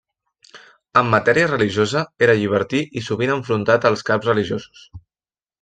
En matèria religiosa era llibertí i sovint enfrontat als caps religiosos.